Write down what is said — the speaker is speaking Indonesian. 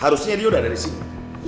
harusnya dia udah ada di sini